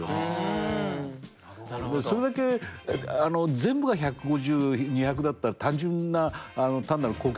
それだけ全部が１５０２００だったら単純な単なる高血圧じゃない。